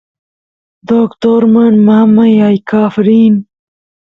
doctorman mamay aykaf rin